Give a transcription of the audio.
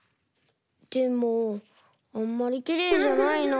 でもあんまりきれいじゃないな。